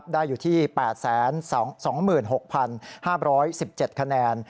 ได้อยู่ที่๘๒๖๕๑๗คะแนน